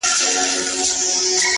د زړه له درده شاعري کوومه ښه کوومه،